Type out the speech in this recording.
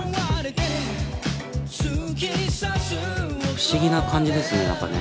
不思議な感じですねやっぱりね。